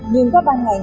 nhưng các bàn ngành